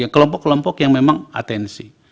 kelompok kelompok yang memang atensi